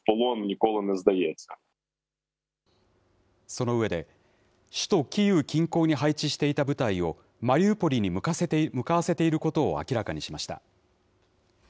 その上で、首都キーウ近郊に配置していた部隊をマリウポリに向かわせていることを明らかにしました。